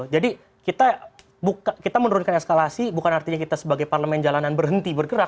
jadi kita menurunkan eskalasi bukan artinya kita sebagai parlement jalanan berhenti bergerak